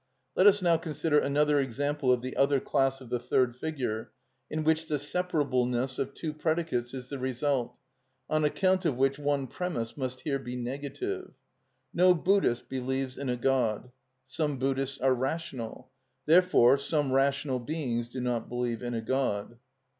Let us now consider another example of the other class of the third figure, in which the separableness of two predicates is the result; on account of which one premiss must here be negative: No Buddhist believes in a God; Some Buddhists are rational: Therefore some rational beings do not believe in a God.